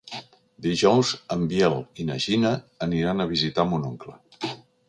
Dijous en Biel i na Gina aniran a visitar mon oncle.